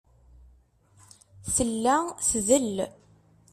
Tella tdel.